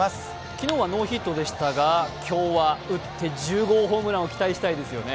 昨日はノーヒットでしたが今日は打って１０号ホームランを期待したいですよね。